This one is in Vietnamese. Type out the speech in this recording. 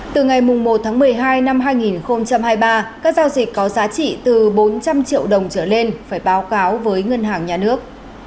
từ ngày một tháng một mươi hai năm hai nghìn hai mươi ba các giao dịch có giá trị từ bốn trăm linh triệu đồng trở lên phải báo cáo với ngân hàng nhà nước